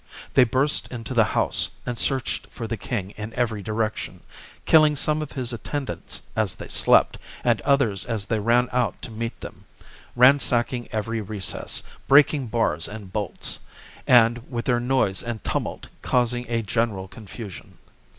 They burst into the house and searched for the king in every direction, killing some of his attendants as they slept and others as they ran out to meet them, ransacking every recess, breaking bars and bolts, and with their noise and tumult causing a general confu sion.